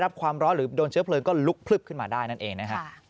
ความร้อนหรือโดนเชื้อเพลิงก็ลุกพลึบขึ้นมาได้นั่นเองนะครับ